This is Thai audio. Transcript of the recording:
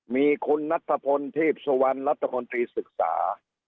มีคุณนัทพลเทพสวรรค์นัทพลตรีศึกษา